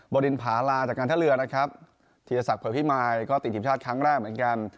บรินผาลาจากการท่าเรือนะครับธีรศักดิ์เผยพิมายก็ติดทีมชาติครั้งแรกเหมือนกัน